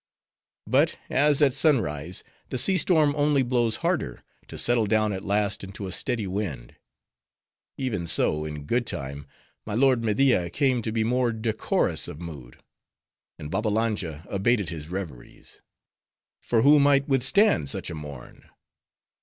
But, as at sunrise, the sea storm only blows harder, to settle down at last into a steady wind; even so, in good time, my lord Media came to be more decorous of mood. And Babbalanja abated his reveries. For who might withstand such a morn!